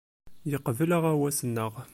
Yeqbel aɣawas-nneɣ.